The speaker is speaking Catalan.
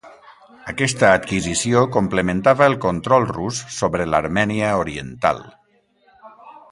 Aquesta adquisició complementava el control rus sobre l'Armènia oriental.